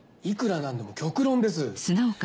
いくらなんでも極論です。